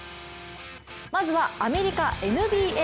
まずはアメリカ、ＮＢＡ。